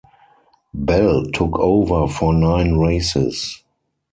Bell took over for nine races.